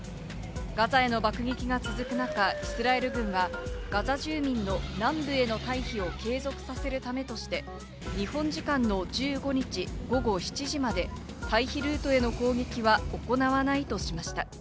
ガザへの爆撃が続く中、イスラエル軍はガザ住民の南部への退避を継続させるためとして、日本時間の１５日、午後７時まで退避ルートへの攻撃は行わないとしました。